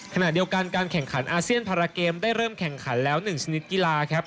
ขณะเดียวกันการแข่งขันอาเซียนพาราเกมได้เริ่มแข่งขันแล้ว๑ชนิดกีฬาครับ